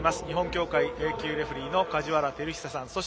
日本協会Ａ級レフリーの梶原晃久さん